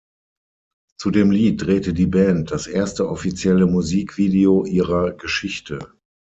Zu dem Lied drehte die Band das erste offizielle Musikvideo ihrer Geschichte.